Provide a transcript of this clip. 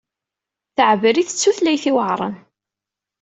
Taɛebrit d tutlayt iweɛṛen.